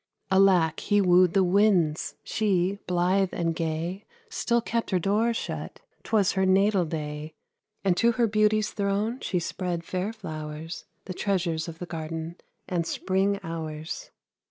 Alack! he wooed the winds; she, blithe and gay, Still kept her door shut, 'twas her natal day; And to her beauty's throne she spread fair flowers, The treasures of the garden, and spring hours.